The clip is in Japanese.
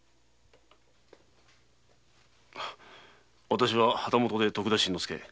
私は旗本で徳田新之助。